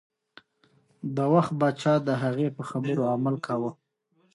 د وخت پاچا د هغې په خبرو عمل کاوه.